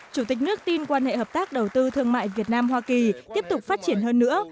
chủ tịch nước tin quan hệ hợp tác đầu tư thương mại việt nam hoa kỳ tiếp tục phát triển hơn nữa